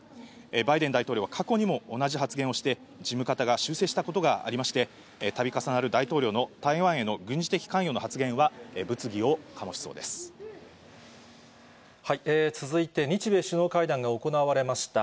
バイデン大統領は過去にも同じ発言をして、事務方が修正したことがありまして、たび重なる大統領の台湾への軍事的関与の発言は、続いて、日米首脳会談が行われました